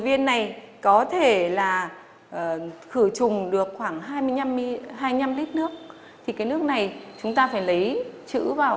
viên này có thể là khử trùng được khoảng hai mươi năm lít nước thì cái nước này chúng ta phải lấy chữ vào